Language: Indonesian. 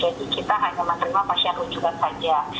jadi kita hanya menerima pasien rujukan saja